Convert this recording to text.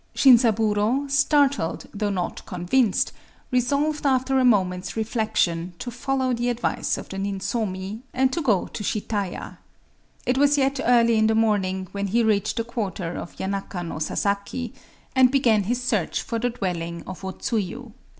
Shinzaburō, startled though not convinced, resolved after a moment's reflection to follow the advice of the ninsomi, and to go to Shitaya. It was yet early in the morning when he reached the quarter of Yanaka no Sasaki, and began his search for the dwelling of O Tsuyu.